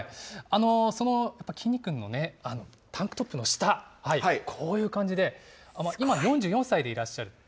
そのきんに君のタンクトップの下、こういう感じで、今、４４歳でいらっしゃる。